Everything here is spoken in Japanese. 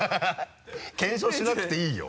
検証しなくていいよ！